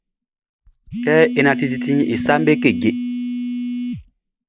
Kɛ é nánti titiʼn, e saʼm be keje.